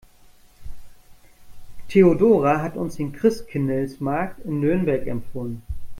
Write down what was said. Theodora hat uns den Christkindlesmarkt in Nürnberg empfohlen.